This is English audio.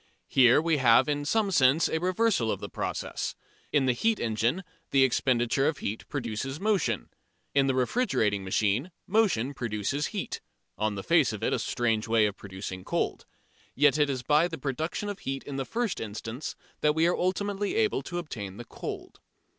Here we have in some sense a reversal of the process. In the heat engine the expenditure of heat produces motion. In the refrigerating machine motion produces heat, on the face of it a strange way of producing cold. Yet it is by the production of heat in the first instance that we are ultimately able to obtain the cold.